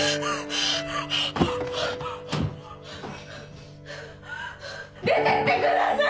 はぁ出てってください！